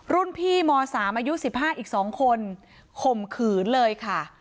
รุ่นพี่มสามอายุสิบห้าอีกสองคนข่มขืนเลยค่ะ